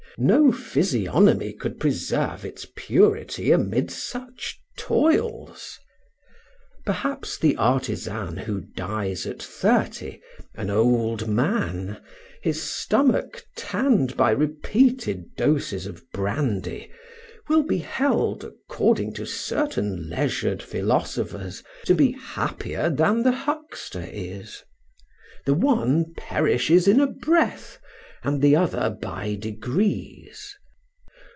No physiognomy could preserve its purity amid such toils. Perhaps the artisan who dies at thirty, an old man, his stomach tanned by repeated doses of brandy, will be held, according to certain leisured philosophers, to be happier than the huckster is. The one perishes in a breath, and the other by degrees.